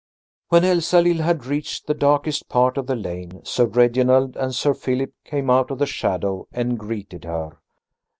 When Elsalill had reached the darkest part of the lane, Sir Reginald and Sir Philip came out of the shadow and greeted her.